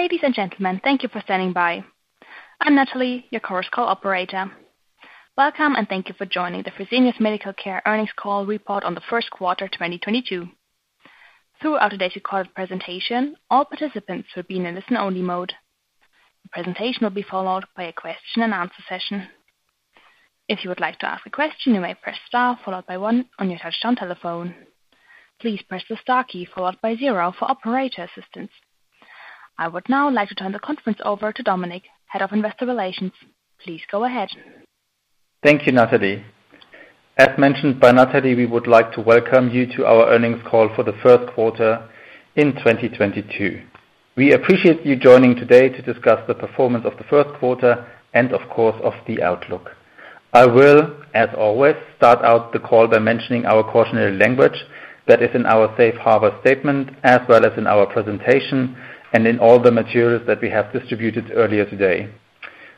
Ladies and gentlemen, thank you for standing by. I'm Natalie, your Chorus Call operator. Welcome and thank you for joining the Fresenius Medical Care earnings call report on the first quarter, 2022. Throughout today's recorded presentation, all participants will be in a listen-only mode. The presentation will be followed by a question-and-answer session. If you would like to ask a question, you may press Star followed by one on your touchtone telephone. Please press the star key followed by zero for operator assistance. I would now like to turn the conference over to Dominik, Head of Investor Relations. Please go ahead. Thank you, Natalie. As mentioned by Natalie, we would like to welcome you to our earnings call for the first quarter in 2022. We appreciate you joining today to discuss the performance of the first quarter and of course of the outlook. I will, as always, start out the call by mentioning our cautionary language that is in our safe harbor statement as well as in our presentation and in all the materials that we have distributed earlier today.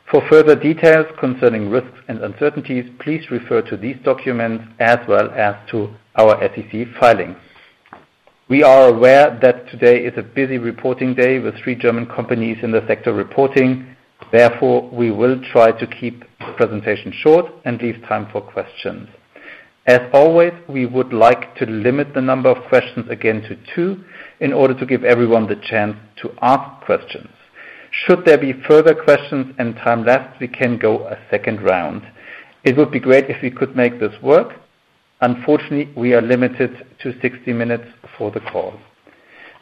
For further details concerning risks and uncertainties, please refer to these documents as well as to our SEC filings. We are aware that today is a busy reporting day with three German companies in the sector reporting. Therefore, we will try to keep the presentation short and leave time for questions. As always, we would like to limit the number of questions again to 2 in order to give everyone the chance to ask questions. Should there be further questions and time left, we can go a second round. It would be great if we could make this work. Unfortunately, we are limited to 60 minutes for the call.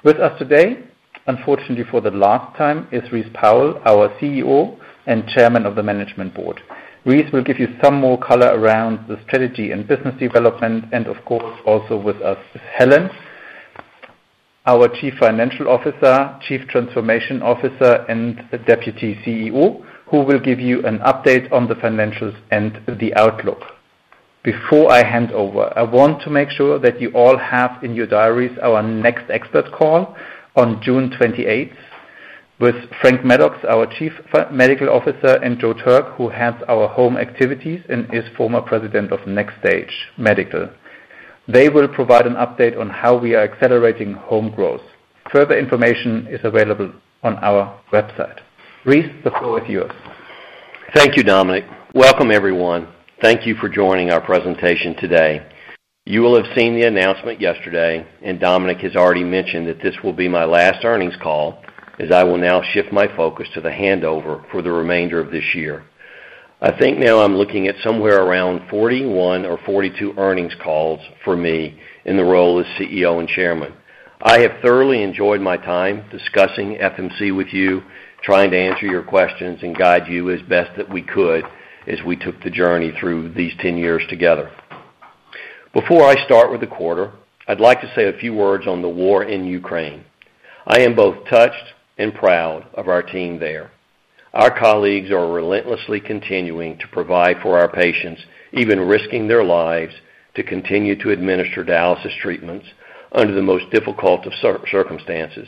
With us today, unfortunately, for the last time, is Rice Powell, our CEO and Chairman of the Management Board. Rice will give you some more color around the strategy and business development, and of course, also with us is Helen, our Chief Financial Officer, Chief Transformation Officer, and Deputy CEO, who will give you an update on the financials and the outlook. Before I hand over, I want to make sure that you all have in your diaries our next expert call on June 28 with Franklin Maddux, our Chief Medical Officer, and Joseph Turk, who heads our home activities and is former president of NxStage Medical. They will provide an update on how we are accelerating home growth. Further information is available on our website. Rice, the floor is yours. Thank you, Dominik. Welcome, everyone. Thank you for joining our presentation today. You will have seen the announcement yesterday, and Dominik has already mentioned that this will be my last earnings call as I will now shift my focus to the handover for the remainder of this year. I think now I'm looking at somewhere around 41 or 42 earnings calls for me in the role as CEO and Chairman. I have thoroughly enjoyed my time discussing FMC with you, trying to answer your questions and guide you as best that we could as we took the journey through these 10 years together. Before I start with the quarter, I'd like to say a few words on the war in Ukraine. I am both touched and proud of our team there. Our colleagues are relentlessly continuing to provide for our patients, even risking their lives to continue to administer dialysis treatments under the most difficult of circumstances.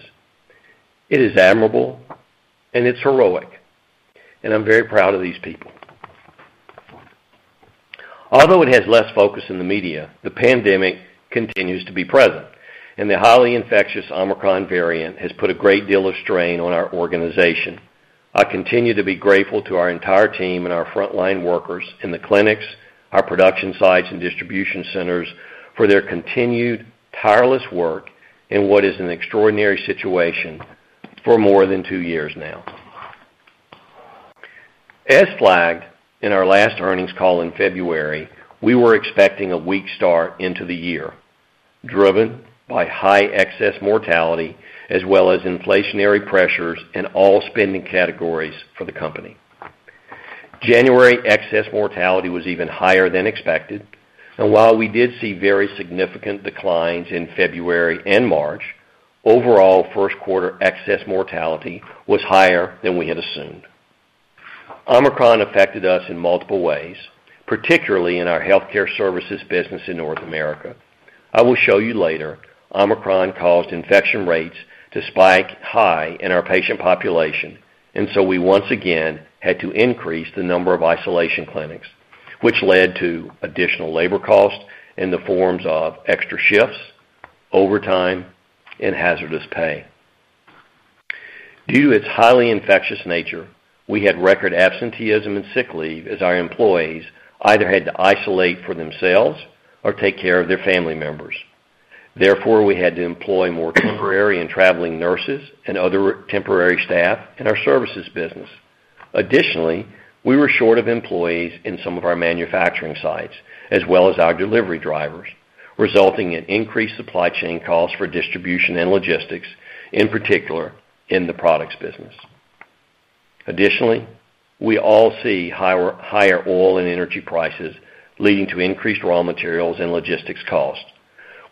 It is admirable and it's heroic, and I'm very proud of these people. Although it has less focus in the media, the pandemic continues to be present, and the highly infectious Omicron variant has put a great deal of strain on our organization. I continue to be grateful to our entire team and our frontline workers in the clinics, our production sites, and distribution centers for their continued tireless work in what is an extraordinary situation for more than two years now. As flagged in our last earnings call in February, we were expecting a weak start into the year, driven by high excess mortality as well as inflationary pressures in all spending categories for the company. January excess mortality was even higher than expected. While we did see very significant declines in February and March, overall first quarter excess mortality was higher than we had assumed. Omicron affected us in multiple ways, particularly in our healthcare services business in North America. I will show you later, Omicron caused infection rates to spike high in our patient population, and so we once again had to increase the number of isolation clinics, which led to additional labor costs in the forms of extra shifts, overtime, and hazardous pay. Due to its highly infectious nature, we had record absenteeism and sick leave as our employees either had to isolate for themselves or take care of their family members. Therefore, we had to employ more temporary and traveling nurses and other temporary staff in our services business. Additionally, we were short of employees in some of our manufacturing sites as well as our delivery drivers, resulting in increased supply chain costs for distribution and logistics, in particular in the products business. Additionally, we all see higher oil and energy prices leading to increased raw materials and logistics costs.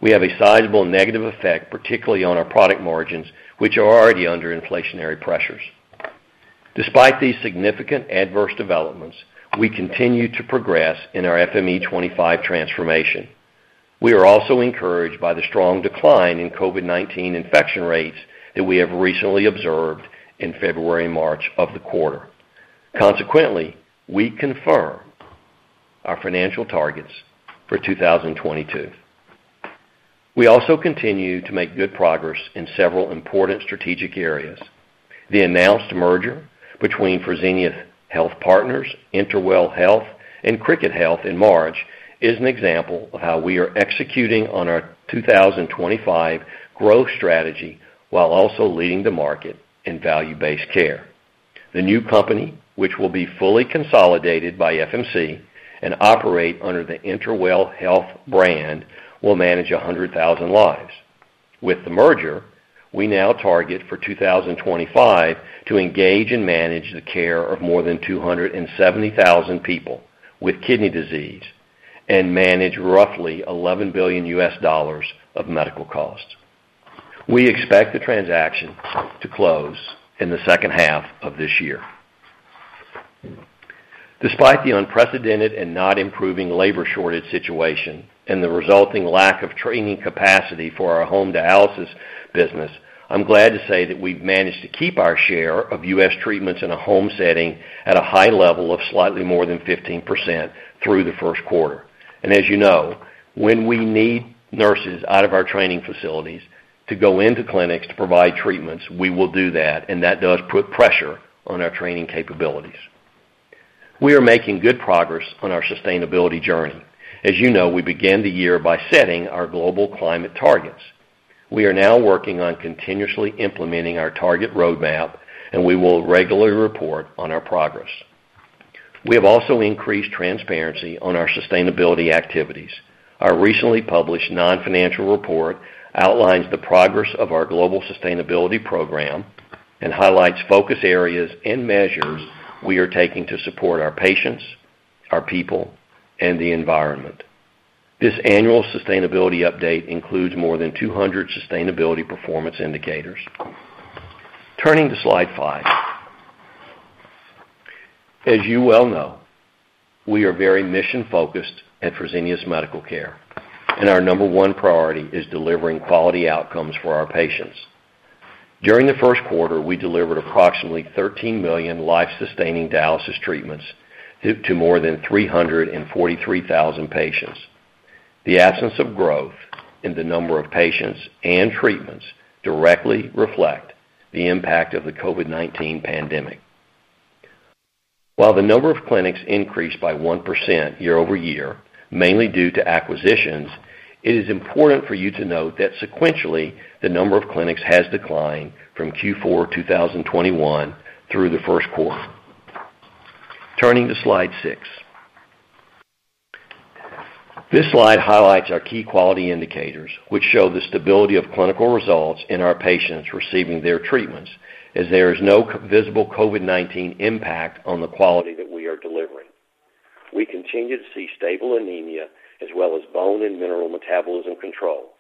We have a sizable negative effect, particularly on our product margins, which are already under inflationary pressures. Despite these significant adverse developments, we continue to progress in our FME25 transformation. We are also encouraged by the strong decline in COVID-19 infection rates that we have recently observed in February and March of the quarter. Consequently, we confirm our financial targets for 2022. We also continue to make good progress in several important strategic areas. The announced merger between Fresenius Health Partners, InterWell Health, and Cricket Health in March is an example of how we are executing on our 2025 growth strategy while also leading the market in value-based care. The new company, which will be fully consolidated by FMC and operate under the InterWell Health brand, will manage 100,000 lives. With the merger, we now target for 2025 to engage and manage the care of more than 270,000 people with kidney disease and manage roughly $11 billion of medical costs. We expect the transaction to close in the second half of this year. Despite the unprecedented and not improving labor shortage situation and the resulting lack of training capacity for our home dialysis business, I'm glad to say that we've managed to keep our share of U.S. treatments in a home setting at a high level of slightly more than 15% through the first quarter. As you know, when we need nurses out of our training facilities to go into clinics to provide treatments, we will do that, and that does put pressure on our training capabilities. We are making good progress on our sustainability journey. As you know, we began the year by setting our global climate targets. We are now working on continuously implementing our target roadmap, and we will regularly report on our progress. We have also increased transparency on our sustainability activities. Our recently published non-financial report outlines the progress of our global sustainability program and highlights focus areas and measures we are taking to support our patients, our people, and the environment. This annual sustainability update includes more than 200 sustainability performance indicators. Turning to slide five. As you well know, we are very mission-focused at Fresenius Medical Care, and our number one priority is delivering quality outcomes for our patients. During the first quarter, we delivered approximately 13 million life-sustaining dialysis treatments to more than 343,000 patients. The absence of growth in the number of patients and treatments directly reflect the impact of the COVID-19 pandemic. While the number of clinics increased by 1% year-over-year, mainly due to acquisitions, it is important for you to note that sequentially, the number of clinics has declined from Q4 2021 through the first quarter. Turning to slide six. This slide highlights our key quality indicators, which show the stability of clinical results in our patients receiving their treatments, as there is no visible COVID-19 impact on the quality that we are delivering. We continue to see stable anemia as well as bone and mineral metabolism control,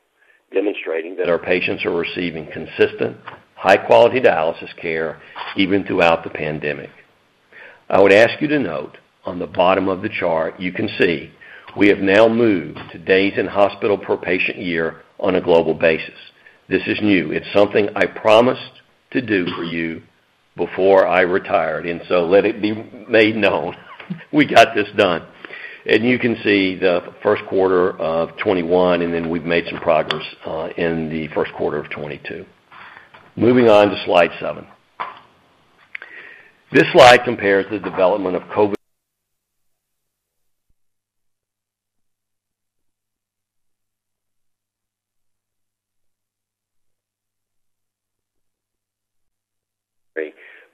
demonstrating that our patients are receiving consistent, high-quality dialysis care even throughout the pandemic. I would ask you to note on the bottom of the chart. You can see we have now moved to days in hospital per patient year on a global basis. This is new. It's something I promised to do for you before I retired, and so let it be made known we got this done. You can see the first quarter of 2021, and then we've made some progress in the first quarter of 2022. Moving on to slide seven. This slide compares the development of COVID-19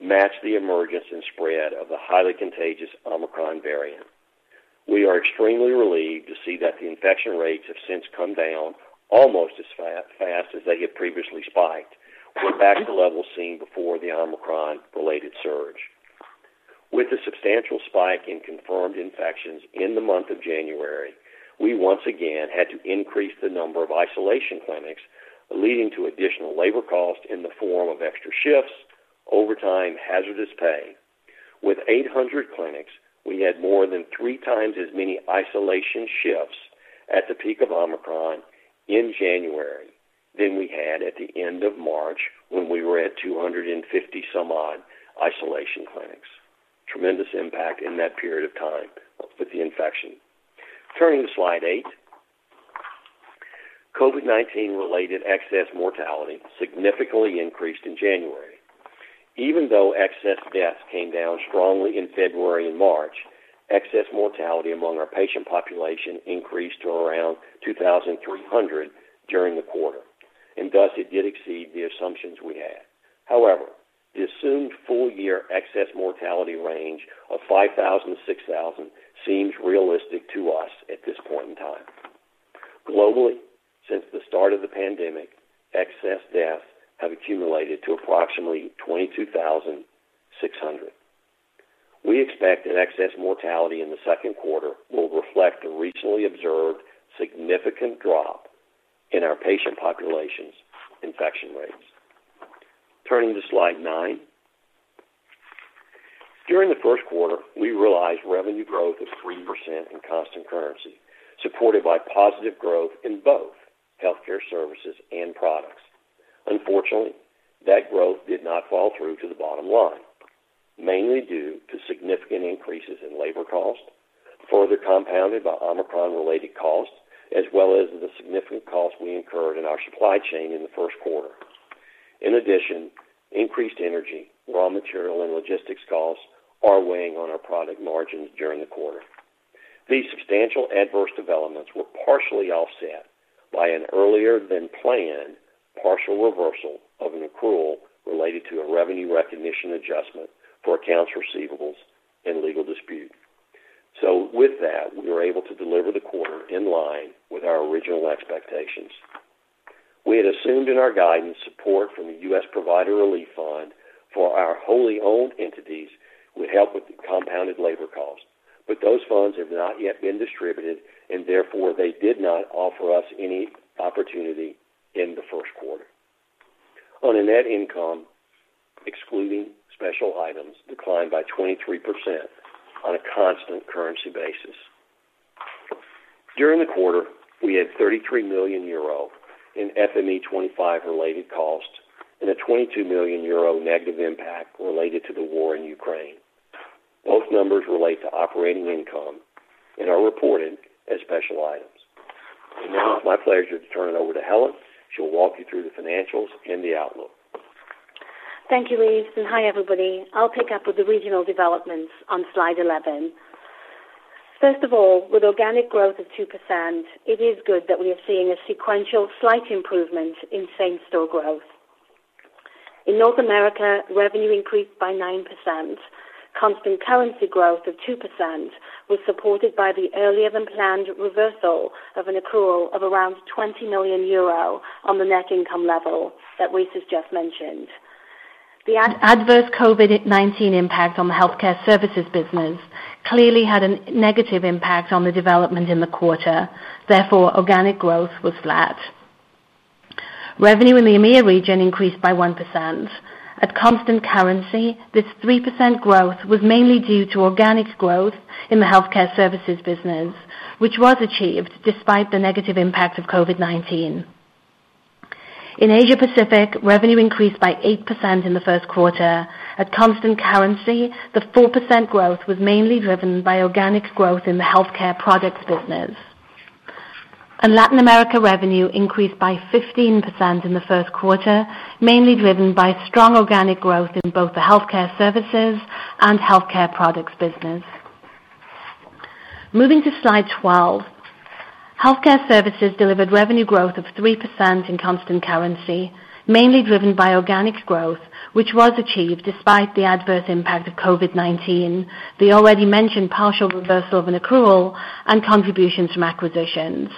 matched the emergence and spread of the highly contagious Omicron variant. We are extremely relieved to see that the infection rates have since come down almost as fast as they had previously spiked. We're back to levels seen before the Omicron-related surge. With the substantial spike in confirmed infections in the month of January, we once again had to increase the number of isolation clinics, leading to additional labor costs in the form of extra shifts, overtime, hazardous pay. With 800 clinics, we had more than three times as many isolation shifts at the peak of Omicron in January than we had at the end of March when we were at 250 some-odd isolation clinics. Tremendous impact in that period of time with the infection. Turning to slide eight. COVID-19-related excess mortality significantly increased in January. Even though excess deaths came down strongly in February and March, excess mortality among our patient population increased to around 2,300 during the quarter, and thus it did exceed the assumptions we had. However, the assumed full-year excess mortality range of 5,000-6,000 seems realistic to us at this point in time. Globally, since the start of the pandemic, excess deaths have accumulated to approximately 22,600. We expect an excess mortality in the second quarter will reflect the recently observed significant drop in our patient population's infection rates. Turning to slide nine. During the first quarter, we realized revenue growth of 3% in constant currency, supported by positive growth in both healthcare services and products. Unfortunately, that growth did not flow through to the bottom line. Mainly due to significant increases in labor cost, further compounded by Omicron related costs, as well as the significant costs we incurred in our supply chain in the first quarter. In addition, increased energy, raw material, and logistics costs are weighing on our product margins during the quarter. These substantial adverse developments were partially offset by an earlier-than-planned partial reversal of an accrual related to a revenue recognition adjustment for accounts receivables and legal dispute. With that, we were able to deliver the quarter in line with our original expectations. We had assumed in our guidance support from the U.S. Provider Relief Fund for our wholly owned entities would help with the compounded labor costs. Those funds have not yet been distributed and therefore they did not offer us any opportunity in the first quarter. Our net income, excluding special items, declined by 23% on a constant currency basis. During the quarter, we had 33 million euro in FME25 related costs and a 22 million euro negative impact related to the war in Ukraine. Both numbers relate to operating income and are reported as special items. Now it's my pleasure to turn it over to Helen. She'll walk you through the financials and the outlook. Thank you, Rice, and hi, everybody. I'll pick up with the regional developments on slide 11. First of all, with organic growth of 2%, it is good that we are seeing a sequential slight improvement in same-store growth. In North America, revenue increased by 9%. Constant currency growth of 2% was supported by the earlier than planned reversal of an accrual of around 20 million euro on the net income level that Rice has just mentioned. The adverse COVID-19 impact on the healthcare services business clearly had a negative impact on the development in the quarter. Therefore, organic growth was flat. Revenue in the EMEA region increased by 1%. At constant currency, this 3% growth was mainly due to organic growth in the healthcare services business, which was achieved despite the negative impact of COVID-19. In Asia-Pacific, revenue increased by 8% in the first quarter. At constant currency, the 4% growth was mainly driven by organic growth in the healthcare products business. Latin America revenue increased by 15% in the first quarter, mainly driven by strong organic growth in both the healthcare services and healthcare products business. Moving to slide 12. Healthcare services delivered revenue growth of 3% in constant currency, mainly driven by organic growth, which was achieved despite the adverse impact of COVID-19, the already mentioned partial reversal of an accrual and contributions from acquisitions.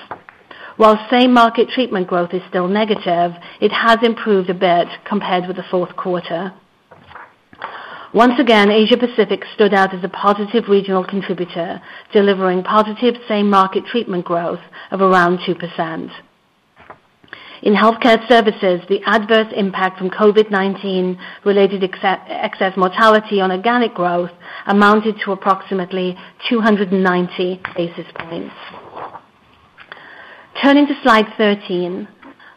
While same market treatment growth is still negative, it has improved a bit compared with the fourth quarter. Once again, Asia-Pacific stood out as a positive regional contributor, delivering positive same market treatment growth of around 2%. In healthcare services, the adverse impact from COVID-19 related excess mortality on organic growth amounted to approximately 290 basis points. Turning to slide 13.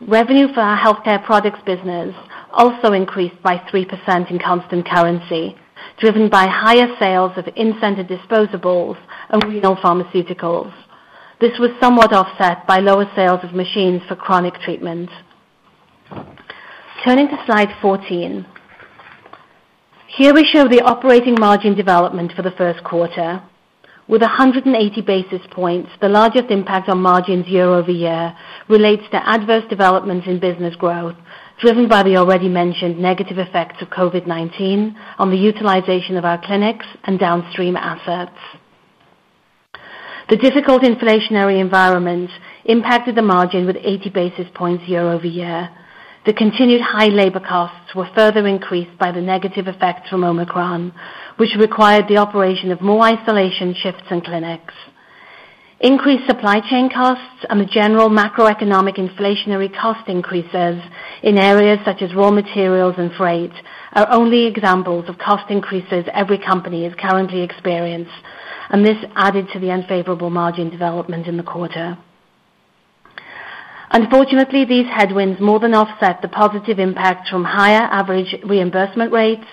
Revenue for our healthcare products business also increased by 3% in constant currency, driven by higher sales of in-center disposables and renal pharmaceuticals. This was somewhat offset by lower sales of machines for chronic treatment. Turning to slide 14. Here we show the operating margin development for the first quarter. With 180 basis points, the largest impact on margins year-over-year relates to adverse developments in business growth, driven by the already mentioned negative effects of COVID-19 on the utilization of our clinics and downstream assets. The difficult inflationary environment impacted the margin with 80 basis points year-over-year. The continued high labor costs were further increased by the negative effects from Omicron, which required the operation of more isolation shifts in clinics. Increased supply chain costs and the general macroeconomic inflationary cost increases in areas such as raw materials and freight are only examples of cost increases every company is currently experiencing, and this added to the unfavorable margin development in the quarter. Unfortunately, these headwinds more than offset the positive impact from higher average reimbursement rates,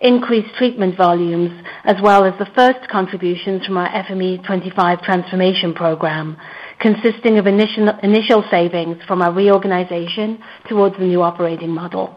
increased treatment volumes, as well as the first contributions from our FME25 transformation program, consisting of initial savings from our reorganization towards the new operating model.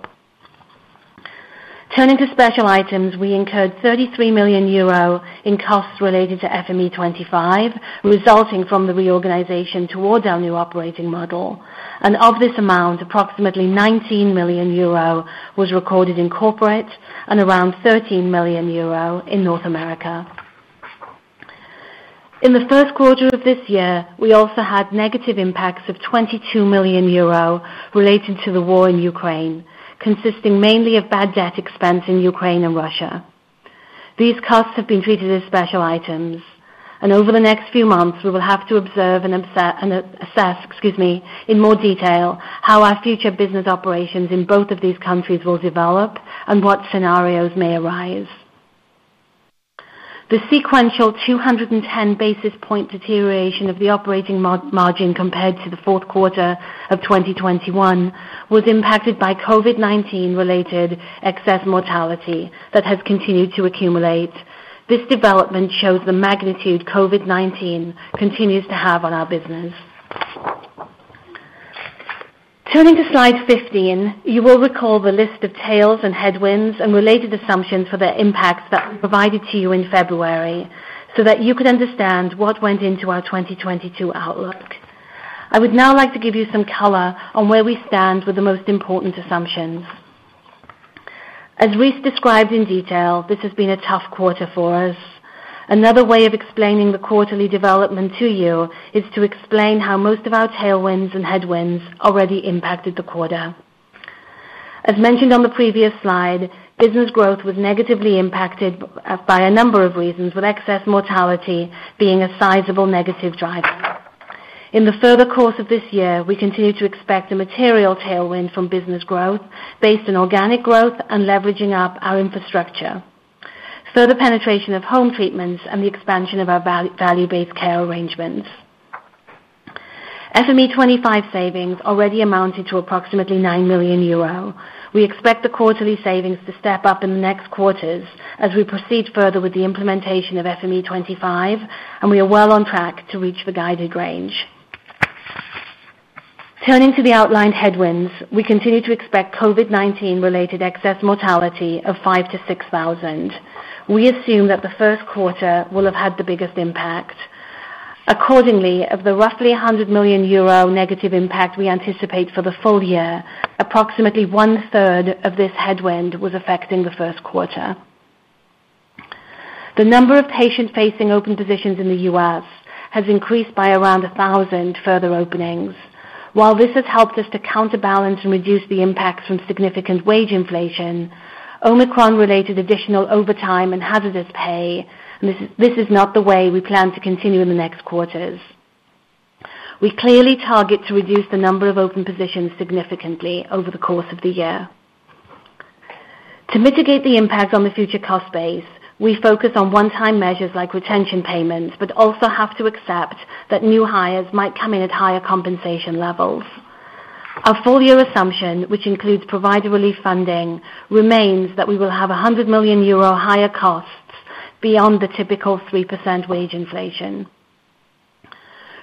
Turning to special items, we incurred 33 million euro in costs related to FME25, resulting from the reorganization toward our new operating model. Of this amount, approximately 19 million euro was recorded in corporate and around 13 million euro in North America. In the first quarter of this year, we also had negative impacts of 22 million euro related to the war in Ukraine, consisting mainly of bad debt expense in Ukraine and Russia. These costs have been treated as special items. Over the next few months, we will have to observe and assess, excuse me, in more detail how our future business operations in both of these countries will develop and what scenarios may arise. The sequential 210 basis point deterioration of the operating margin compared to the fourth quarter of 2021 was impacted by COVID-19 related excess mortality that has continued to accumulate. This development shows the magnitude COVID-19 continues to have on our business. Turning to slide 15, you will recall the list of tailwinds and headwinds and related assumptions for their impacts that we provided to you in February so that you could understand what went into our 2022 outlook. I would now like to give you some color on where we stand with the most important assumptions. As Rice described in detail, this has been a tough quarter for us. Another way of explaining the quarterly development to you is to explain how most of our tailwinds and headwinds already impacted the quarter. As mentioned on the previous slide, business growth was negatively impacted by a number of reasons, with excess mortality being a sizable negative driver. In the further course of this year, we continue to expect a material tailwind from business growth based on organic growth and leveraging up our infrastructure, further penetration of home treatments and the expansion of our value-based care arrangements. FME25 savings already amounted to approximately 9 million euro. We expect the quarterly savings to step up in the next quarters as we proceed further with the implementation of FME25, and we are well on track to reach the guided range. Turning to the outlined headwinds, we continue to expect COVID-19 related excess mortality of 5000-6,000. We assume that the first quarter will have had the biggest impact. Accordingly, of the roughly 100 million euro negative impact we anticipate for the full year, approximately one-third of this headwind was affecting the first quarter. The number of patient-facing open positions in the U.S. has increased by around 1,000 further openings. While this has helped us to counterbalance and reduce the impacts from significant wage inflation, Omicron-related additional overtime and hazardous pay, this is not the way we plan to continue in the next quarters. We clearly target to reduce the number of open positions significantly over the course of the year. To mitigate the impact on the future cost base, we focus on one-time measures like retention payments, but also have to accept that new hires might come in at higher compensation levels. Our full-year assumption, which includes Provider Relief Fund, remains that we will have 100 million euro higher costs beyond the typical 3% wage inflation.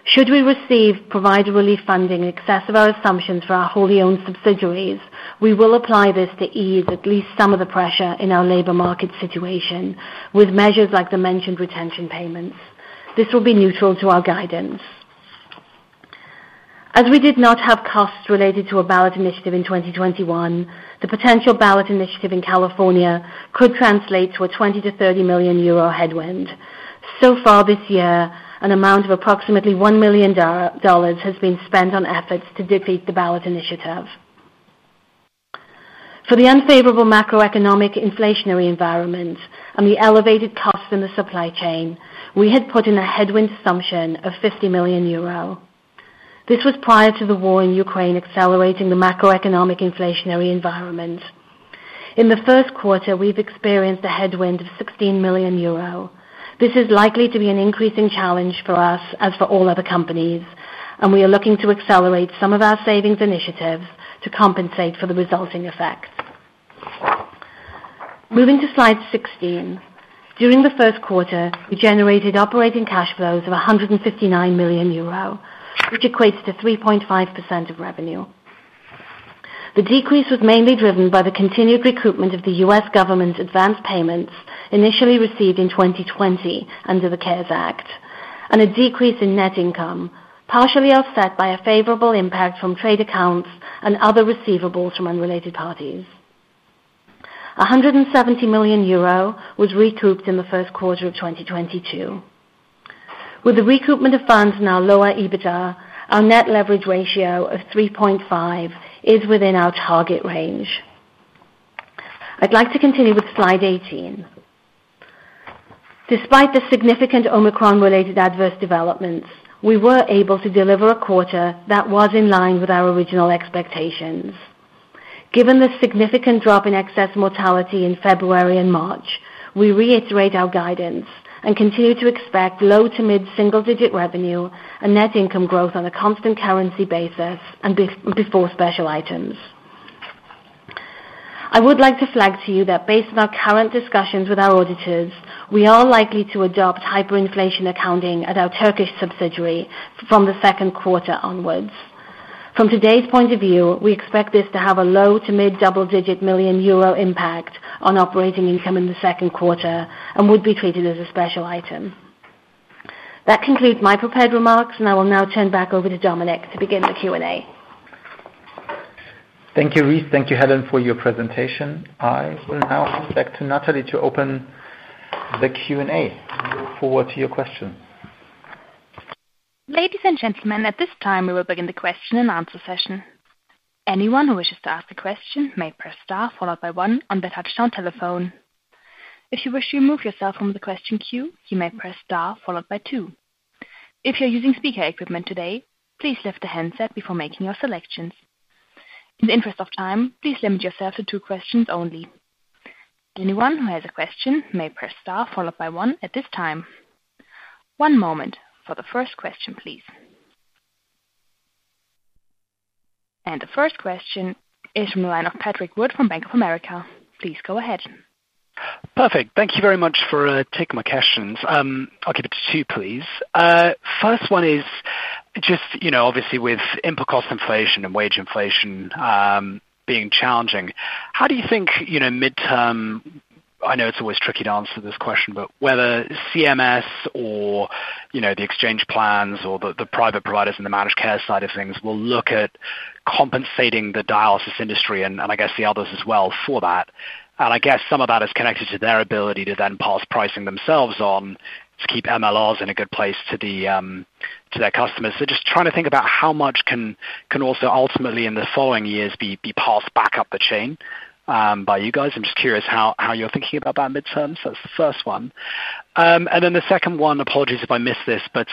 Should we receive Provider Relief funding in excess of our assumptions for our wholly owned subsidiaries, we will apply this to ease at least some of the pressure in our labor market situation with measures like the mentioned retention payments. This will be neutral to our guidance. As we did not have costs related to a ballot initiative in 2021, the potential ballot initiative in California could translate to a 20 million-30 million euro headwind. So far this year, an amount of approximately $1 million has been spent on efforts to defeat the ballot initiative. For the unfavorable macroeconomic inflationary environment and the elevated cost in the supply chain, we had put in a headwind assumption of 50 million euro. This was prior to the war in Ukraine accelerating the macroeconomic inflationary environment. In the first quarter, we've experienced a headwind of 16 million euro. This is likely to be an increasing challenge for us as for all other companies, and we are looking to accelerate some of our savings initiatives to compensate for the resulting effects. Moving to slide 16. During the first quarter, we generated operating cash flows of 159 million euro, which equates to 3.5% of revenue. The decrease was mainly driven by the continued recoupment of the U.S. government's advance payments initially received in 2020 under the CARES Act, and a decrease in net income, partially offset by a favorable impact from trade accounts and other receivables from unrelated parties. 170 million euro was recouped in the first quarter of 2022. With the recoupment of funds now lower, EBITDA, our net leverage ratio of 3.5 is within our target range. I'd like to continue with slide 18. Despite the significant Omicron-related adverse developments, we were able to deliver a quarter that was in line with our original expectations. Given the significant drop in excess mortality in February and March, we reiterate our guidance and continue to expect low- to mid-single-digit revenue and net income growth on a constant currency basis and before special items. I would like to flag to you that based on our current discussions with our auditors, we are likely to adopt hyperinflation accounting at our Turkish subsidiary from the second quarter onwards. From today's point of view, we expect this to have a low- to mid-double-digit million EUR impact on operating income in the second quarter and would be treated as a special item. That concludes my prepared remarks, and I will now turn back over to Dominik to begin the Q&A. Thank you, Rice. Thank you, Helen, for your presentation. I will now hand back to Natalie to open the Q&A. We look forward to your questions. Ladies and gentlemen, at this time, we will begin the question and answer session. Anyone who wishes to ask a question may press star followed by one on their touch-tone telephone. If you wish to remove yourself from the question queue, you may press star followed by two. If you're using speaker equipment today, please lift the handset before making your selections. In the interest of time, please limit yourself to two questions only. Anyone who has a question may press star followed by one at this time. One moment for the first question, please. The first question is from the line of Patrick Wood from Bank of America. Please go ahead. Perfect. Thank you very much for taking my questions. I'll keep it to two, please. First one is just, you know, obviously with input cost inflation and wage inflation being challenging, how do you think, you know, midterm, I know it's always tricky to answer this question, but whether CMS or, you know, the exchange plans or the private providers in the managed care side of things will look at compensating the dialysis industry and I guess the others as well for that. I guess some of that is connected to their ability to then pass pricing themselves on to keep MLRs in a good place to their customers. Just trying to think about how much can also ultimately in the following years be passed back up the chain by you guys. I'm just curious how you're thinking about that midterm. That's the first one. The second one, apologies if I missed this, but,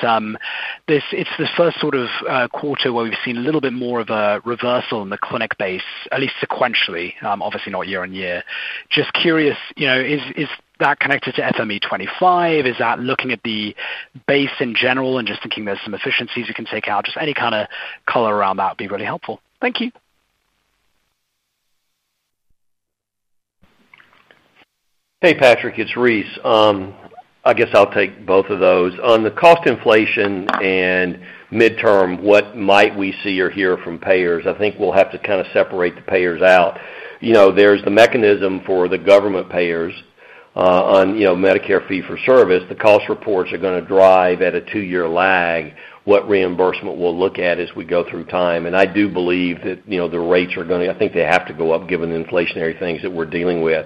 it's the first sort of quarter where we've seen a little bit more of a reversal in the clinic base, at least sequentially, obviously not year-on-year. Just curious, you know, is that connected to FME 25? Is that looking at the base in general and just thinking there's some efficiencies you can take out? Just any kind of color around that would be really helpful. Thank you. Hey, Patrick, it's Rice. I guess I'll take both of those. On the cost inflation and midterm, what might we see or hear from payers? I think we'll have to kind of separate the payers out. You know, there's the mechanism for the government payers, on, you know, Medicare fee for service. The cost reports are gonna drive at a two-year lag what reimbursement we'll look at as we go through time. I do believe that, you know, the rates are gonna. I think they have to go up given the inflationary things that we're dealing with.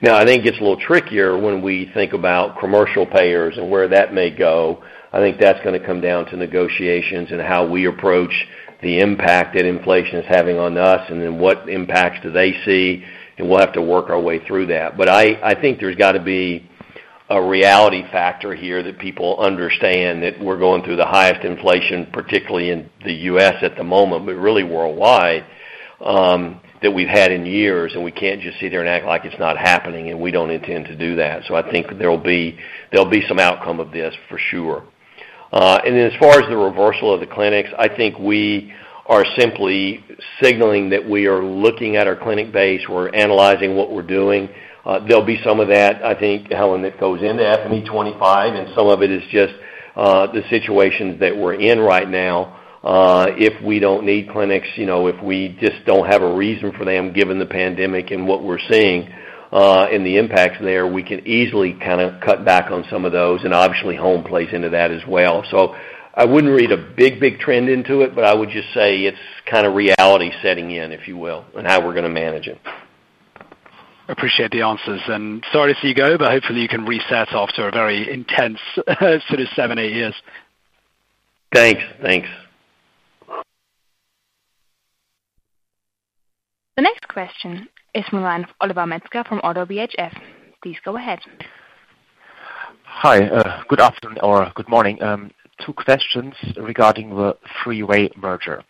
Now, I think it gets a little trickier when we think about commercial payers and where that may go. I think that's gonna come down to negotiations and how we approach the impact that inflation is having on us and then what impacts do they see, and we'll have to work our way through that. I think there's got to be a reality factor here that people understand that we're going through the highest inflation, particularly in the U.S. At the moment, but really worldwide, that we've had in years, and we can't just sit there and act like it's not happening, and we don't intend to do that. I think there'll be some outcome of this for sure. As far as the reversal of the clinics, I think we are simply signaling that we are looking at our clinic base. We're analyzing what we're doing. There'll be some of that, I think, Helen, that goes into FME25, and some of it is just the situations that we're in right now. If we don't need clinics, you know, if we just don't have a reason for them given the pandemic and what we're seeing, and the impacts there, we can easily kind of cut back on some of those, and obviously home plays into that as well. I wouldn't read a big trend into it, but I would just say it's kind of reality setting in, if you will, and how we're gonna manage it. Appreciate the answers. Sorry to see you go, but hopefully you can reset after a very intense sort of seven, eight years. Thanks. Thanks. The next question is from the line of Oliver Metzger from ODDO BHF. Please go ahead. Hi. Good afternoon or good morning. Two questions regarding the three-way merger.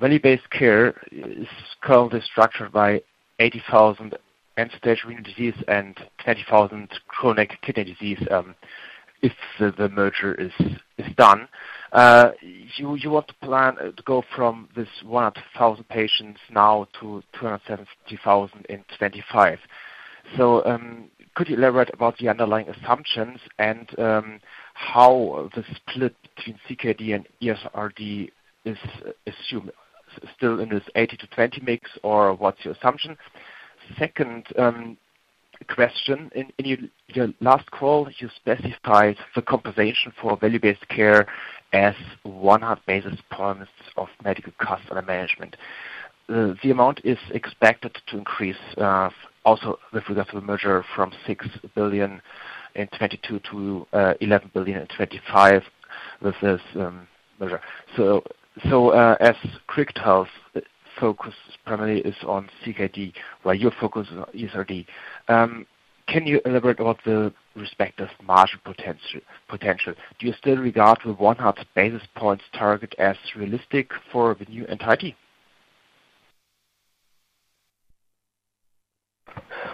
Value-based care is currently structured by 80,000 end-stage renal disease and 20,000 chronic kidney disease, if the merger is done. You want to plan to go from this 1,000 patients now to 270,000 in 2025. Could you elaborate about the underlying assumptions and how the split between CKD and ESRD is assumed still in this 80-20 mix, or what's your assumption? Second question. In your last call, you specified the compensation for value-based care as 100 basis points of medical cost management. The amount is expected to increase, also with regard to the merger from $6 billion in 2022 to $11 billion in 2025 with this merger. As Cricket Health focus primarily is on CKD while your focus is on ESRD, can you elaborate about the respective margin potential? Do you still regard the 100 basis points target as realistic for the new entity?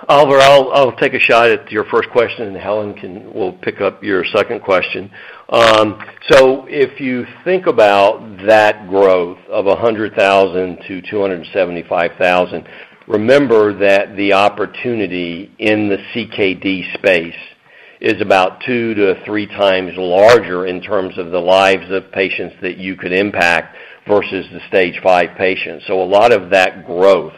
Oliver, I'll take a shot at your first question, and Helen will pick up your second question. If you think about that growth of 100,000 to 275,000, remember that the opportunity in the CKD space is about 2-3 times larger in terms of the lives of patients that you could impact versus the stage five patients. A lot of that growth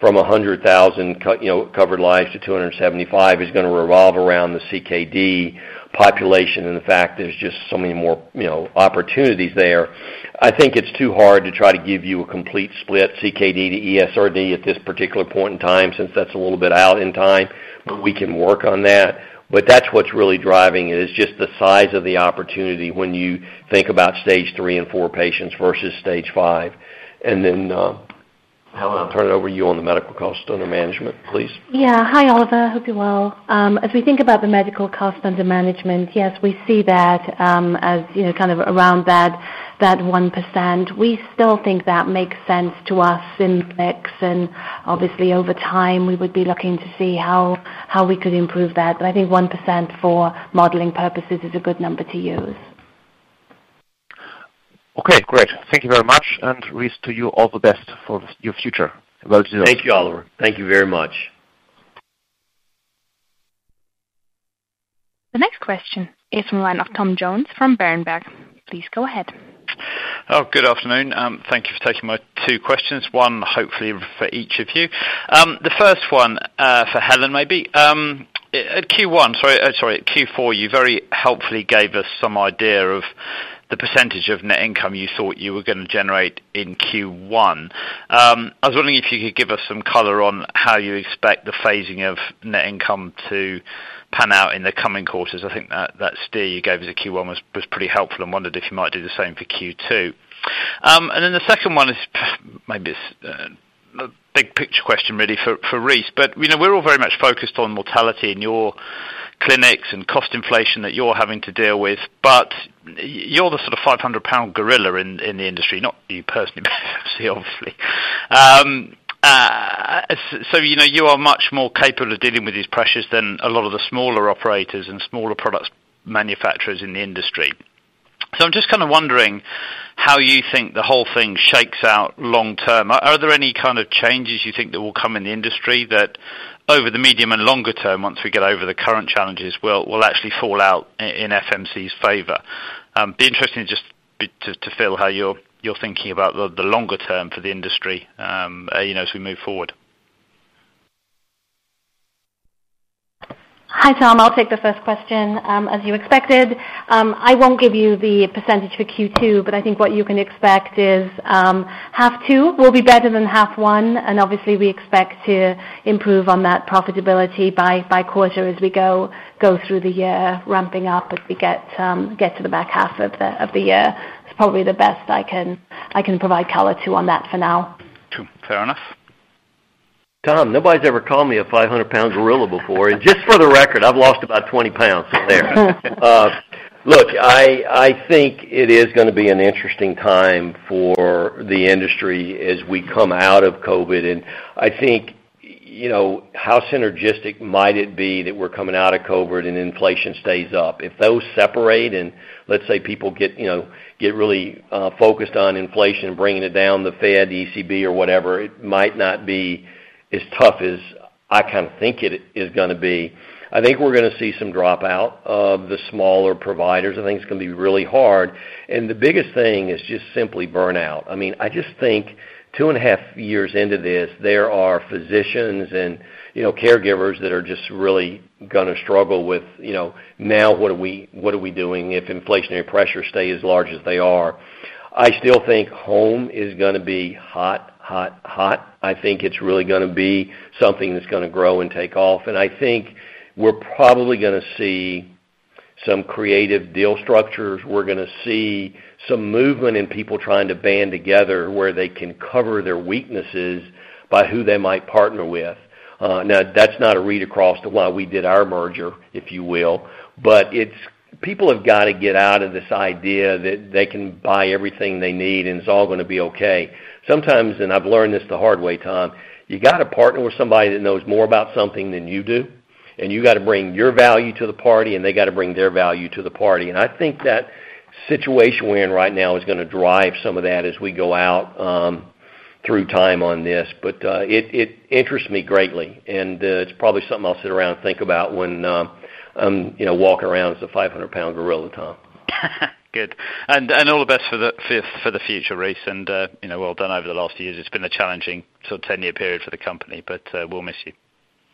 from 100,000, you know, covered lives to 275,000 is gonna revolve around the CKD population and the fact there's just so many more, you know, opportunities there. I think it's too hard to try to give you a complete split CKD to ESRD at this particular point in time, since that's a little bit out in time, but we can work on that. That's what's really driving it, is just the size of the opportunity when you think about stage three and four patients versus stage five. Helen, I'll turn it over to you on the medical cost under management, please. Yeah. Hi, Oliver. Hope you're well. As we think about the medical cost under management, yes, we see that as, you know, kind of around that 1%. We still think that makes sense to us in mix, and obviously, over time, we would be looking to see how we could improve that. I think 1% for modeling purposes is a good number to use. Okay, great. Thank you very much. Rice, to you, all the best for your future. Well deserved. Thank you, Oliver. Thank you very much. The next question is from the line of Tom Jones from Berenberg. Please go ahead. Oh, good afternoon. Thank you for taking my two questions, one hopefully for each of you. The first one, for Helen maybe. At Q4, you very helpfully gave us some idea of the percentage of net income you thought you were gonna generate in Q1. I was wondering if you could give us some color on how you expect the phasing of net income to pan out in the coming quarters. I think that steer you gave us at Q1 was pretty helpful and wondered if you might do the same for Q2. The second one is maybe a big picture question really for Rice. You know, we're all very much focused on mortality in your clinics and cost inflation that you're having to deal with, but you're the sort of 500-pound gorilla in the industry, not you personally, obviously. You know, you are much more capable of dealing with these pressures than a lot of the smaller operators and smaller products manufacturers in the industry. I'm just kinda wondering how you think the whole thing shakes out long term. Are there any kind of changes you think that will come in the industry that over the medium and longer term, once we get over the current challenges, will actually fall out in FMC's favor? Be interesting just to feel how you're thinking about the longer term for the industry, you know, as we move forward. Hi, Tom. I'll take the first question, as you expected. I won't give you the percentage for Q2, but I think what you can expect is, half two will be better than half one, and obviously we expect to improve on that profitability by quarter as we go through the year, ramping up as we get to the back half of the year. It's probably the best I can provide color to on that for now. True. Fair enough. Tom, nobody's ever called me a 500-pound gorilla before. Just for the record, I've lost about 20 pounds since then. Look, I think it is gonna be an interesting time for the industry as we come out of COVID. I think, you know, how synergistic might it be that we're coming out of COVID and inflation stays up. If those separate and let's say people get, you know, really focused on inflation, bringing it down, the Fed, ECB or whatever, it might not be as tough as I kind of think it is gonna be. I think we're gonna see some dropout of the smaller providers. I think it's gonna be really hard. The biggest thing is just simply burnout. I mean, I just think 2.5 years into this, there are physicians and, you know, caregivers that are just really gonna struggle with, you know, now what are we, what are we doing if inflationary pressures stay as large as they are? I still think home is gonna be hot, hot. I think it's really gonna be something that's gonna grow and take off. I think we're probably gonna see some creative deal structures. We're gonna see some movement in people trying to band together where they can cover their weaknesses by who they might partner with. Now that's not a read across to why we did our merger, if you will, but it's. People have got to get out of this idea that they can buy everything they need and it's all gonna be okay. Sometimes, and I've learned this the hard way, Tom, you got to partner with somebody that knows more about something than you do, and you got to bring your value to the party, and they got to bring their value to the party. I think that situation we're in right now is gonna drive some of that as we go out, through time on this. It interests me greatly, and it's probably something I'll sit around and think about when I'm, you know, walking around as a 500-pound gorilla, Tom. Good. All the best for the future, Rice. You know, well done over the last few years. It's been a challenging sort of 10-year period for the company, but we'll miss you.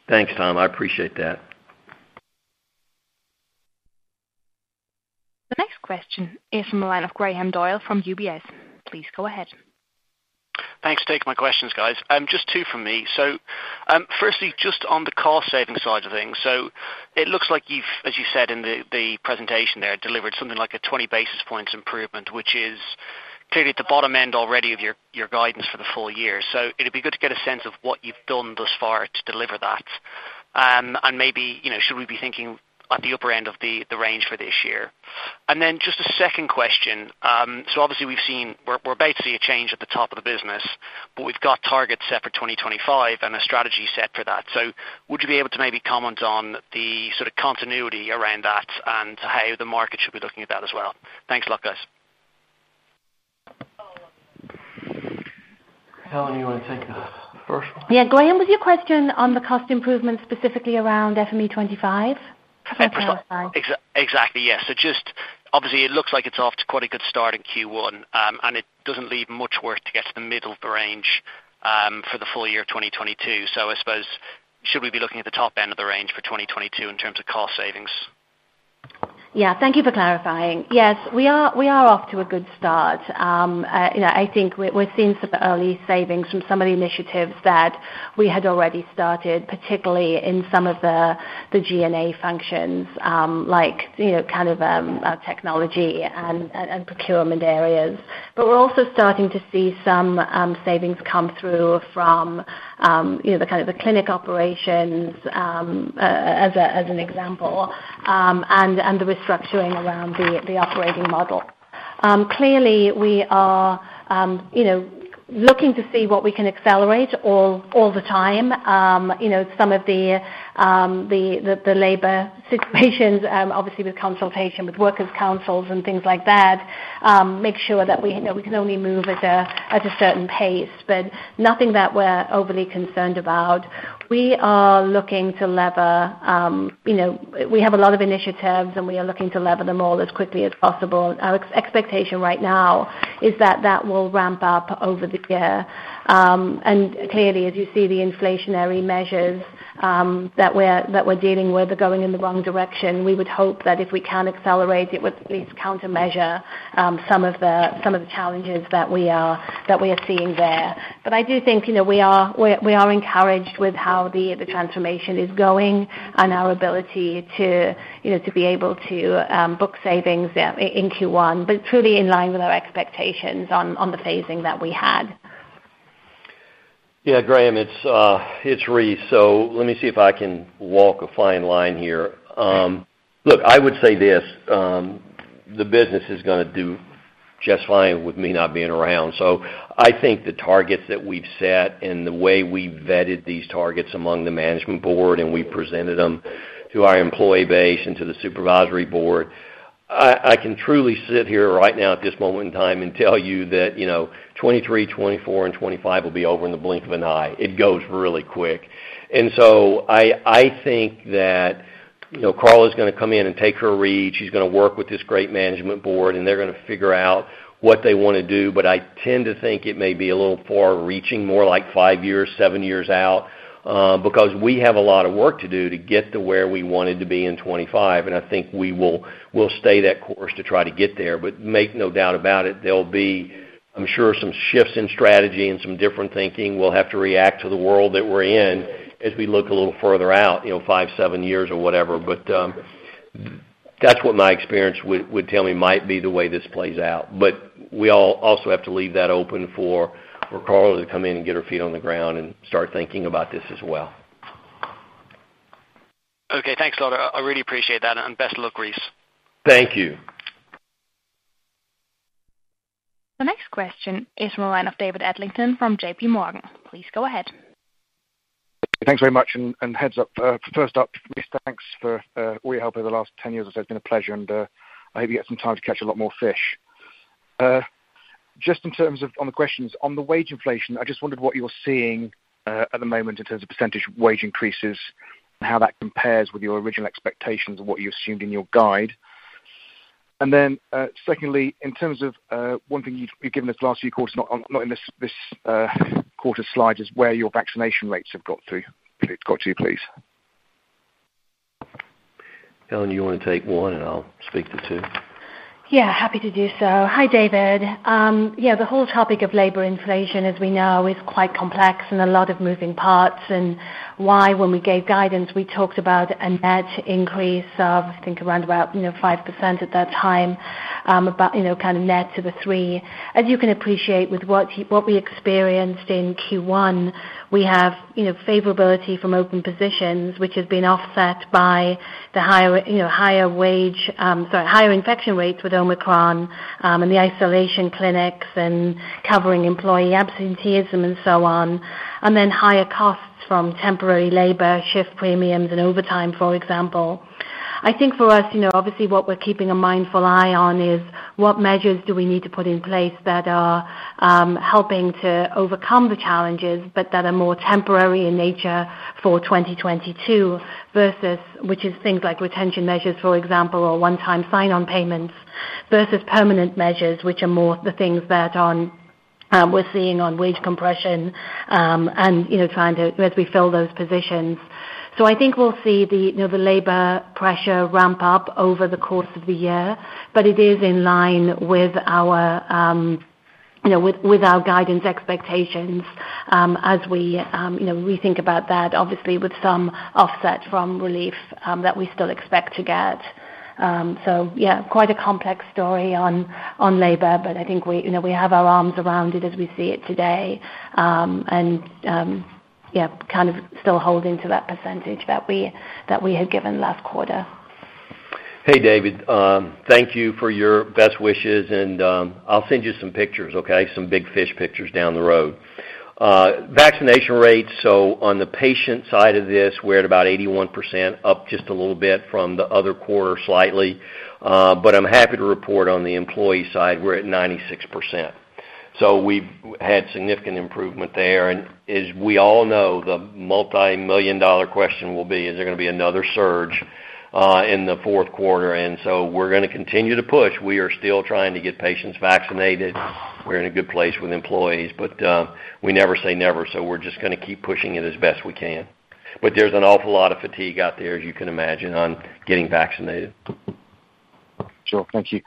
Thanks, Tom. I appreciate that. The next question is from the line of Graham Doyle from UBS. Please go ahead. Thanks for taking my questions, guys. Just two from me. Firstly, just on the cost saving side of things. It looks like you've, as you said in the presentation there, delivered something like a 20 basis points improvement, which is clearly at the bottom end already of your guidance for the full year. It'd be good to get a sense of what you've done thus far to deliver that. Maybe, you know, should we be thinking at the upper end of the range for this year? Just a second question. Obviously we've seen a change at the top of the business, but we've got targets set for 2025 and a strategy set for that. Would you be able to maybe comment on the sort of continuity around that and how the market should be looking at that as well? Thanks a lot, guys. Helen, you wanna take the first one? Yeah. Graham, was your question on the cost improvements specifically around FME25? Exactly, yes. Just obviously it looks like it's off to quite a good start in Q1, and it doesn't leave much work to get to the middle of the range, for the full year of 2022. I suppose, should we be looking at the top end of the range for 2022 in terms of cost savings? Yeah. Thank you for clarifying. Yes, we are off to a good start. You know, I think we're seeing some early savings from some of the initiatives that we had already started, particularly in some of the G&A functions, like, you know, kind of technology and procurement areas. We're also starting to see some savings come through from you know, the kind of clinic operations, as an example, and the restructuring around the operating model. Clearly, we are looking to see what we can accelerate all the time. You know, some of the labor situations, obviously with consultation with works councils and things like that, make sure that we, you know, we can only move at a certain pace, but nothing that we're overly concerned about. We are looking to leverage. We have a lot of initiatives, and we are looking to leverage them all as quickly as possible. Our expectation right now is that will ramp up over the year. Clearly, as you see the inflationary measures that we're dealing with are going in the wrong direction. We would hope that if we can accelerate, it would at least countermeasure some of the challenges that we are seeing there. I do think, you know, we are encouraged with how the transformation is going and our ability to, you know, to be able to book savings, yeah, in Q1, but truly in line with our expectations on the phasing that we had. Yeah, Graham, it's Rice. Let me see if I can walk a fine line here. Look, I would say this, the business is gonna do just fine with me not being around. I think the targets that we've set and the way we vetted these targets among the management board, and we presented them to our employee base and to the supervisory board, I can truly sit here right now at this moment in time and tell you that, you know, 2023, 2024 and 2025 will be over in the blink of an eye. It goes really quick. I think that, you know, Carla is gonna come in and take the reins. She's gonna work with this great management board, and they're gonna figure out what they wanna do. I tend to think it may be a little far reaching, more like five years, seven years out, because we have a lot of work to do to get to where we wanted to be in 2025. I think we will, we'll stay that course to try to get there. Make no doubt about it, there'll be, I'm sure, some shifts in strategy and some different thinking. We'll have to react to the world that we're in as we look a little further out, you know, five, seven years or whatever. That's what my experience would tell me might be the way this plays out. We all also have to leave that open for Carla to come in and get her feet on the ground and start thinking about this as well. Okay, thanks a lot. I really appreciate that and best of luck, Rice Powell. Thank you. The next question is from a line of David Adlington from JPMorgan. Please go ahead. Thanks very much. Heads up, first up, Rice, thanks for all your help over the last 10 years. It's been a pleasure, and I hope you get some time to catch a lot more fish. Just in terms of on the questions, on the wage inflation, I just wondered what you're seeing at the moment in terms of % wage increases and how that compares with your original expectations and what you assumed in your guide. Secondly, in terms of one thing you've given us last year, of course, not in this quarter's slide, is where your vaccination rates have got to. Please. Helen, you wanna take one and I'll speak to two? Yeah, happy to do so. Hi, David. Yeah, the whole topic of labor inflation, as we know, is quite complex and a lot of moving parts. Why when we gave guidance, we talked about a net increase of, I think, around about, you know, 5% at that time, about, you know, kind of net to the 3%. As you can appreciate with what we experienced in Q1, we have, you know, favorability from open positions, which has been offset by the higher infection rates with Omicron, and the isolation clinics and covering employee absenteeism and so on, and then higher costs from temporary labor, shift premiums and overtime, for example. I think for us, you know, obviously what we're keeping a mindful eye on is what measures do we need to put in place that are helping to overcome the challenges, but that are more temporary in nature for 2022 versus which is things like retention measures, for example, or one-time sign-on payments versus permanent measures, which are more the things that are we're seeing on wage compression, and you know trying to as we fill those positions. I think we'll see the you know the labor pressure ramp up over the course of the year, but it is in line with our you know with our guidance expectations, as we you know we think about that obviously with some offset from relief that we still expect to get. Yeah, quite a complex story on labor, but I think we, you know, we have our arms around it as we see it today, and yeah, kind of still holding to that percentage that we had given last quarter. Hey, David, thank you for your best wishes and, I'll send you some pictures, okay? Some big fish pictures down the road. Vaccination rates, so on the patient side of this, we're at about 81%, up just a little bit from the other quarter slightly. I'm happy to report on the employee side, we're at 96%. We've had significant improvement there. As we all know, the multimillion-dollar question will be, is there gonna be another surge in the fourth quarter? We're gonna continue to push. We are still trying to get patients vaccinated. We're in a good place with employees, but we never say never, so we're just gonna keep pushing it as best we can. There's an awful lot of fatigue out there, as you can imagine, on getting vaccinated. Sure. Thank you.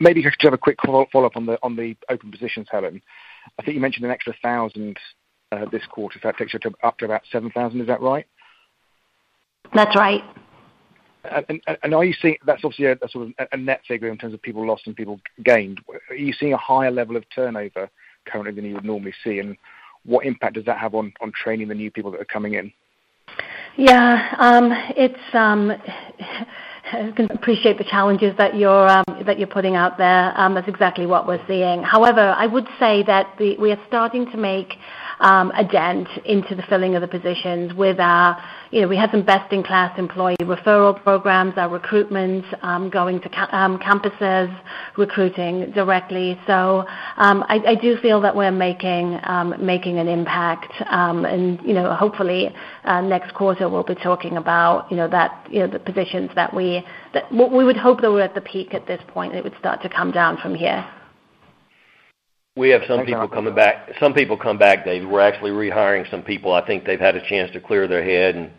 Maybe just to have a quick follow-up on the open positions, Helen. I think you mentioned an extra 1,000 this quarter. That takes you up to about 7,000. Is that right? That's right. That's obviously a sort of net figure in terms of people lost and people gained. Are you seeing a higher level of turnover currently than you would normally see? What impact does that have on training the new people that are coming in? Yeah. I can appreciate the challenges that you're putting out there. That's exactly what we're seeing. However, I would say that we are starting to make a dent in the filling of the positions. You know, we have some best-in-class employee referral programs, our recruitment going to campuses recruiting directly. I do feel that we're making an impact. You know, hopefully next quarter we'll be talking about you know the positions that we would hope that we're at the peak at this point, and it would start to come down from here. We have some people coming back. Some people come back. We're actually rehiring some people. I think they've had a chance to clear their head and,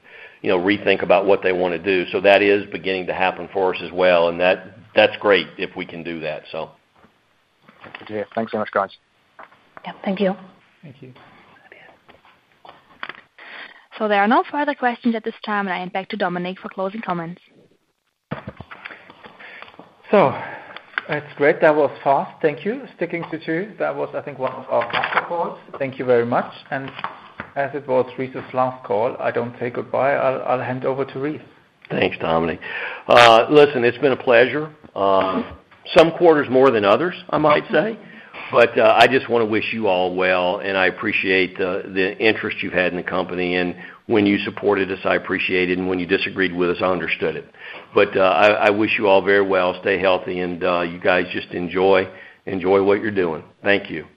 you know, rethink about what they wanna do. That is beginning to happen for us as well, and that's great if we can do that, so. Okay. Thanks very much, guys. Yeah. Thank you. Thank you. There are no further questions at this time. I hand back to Dominik for closing comments. That's great. That was fast. Thank you. Sticking to truth, that was, I think, one of our faster calls. Thank you very much. As it was Rice's last call, I don't say goodbye. I'll hand over to Rice. Thanks, Dominik. Listen, it's been a pleasure. Some quarters more than others, I might say. I just wanna wish you all well, and I appreciate the interest you've had in the company. When you supported us, I appreciate it, and when you disagreed with us, I understood it. I wish you all very well. Stay healthy and you guys just enjoy what you're doing. Thank you.